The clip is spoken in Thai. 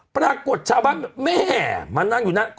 ปรากฏชาวบ้านแม่มานั่งอยู่นั่น